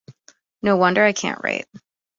No wonder I can't write!